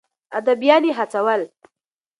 اديبان يې هڅول.